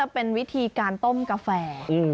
น่าจะเป็นวิธีการต้มกาแฟ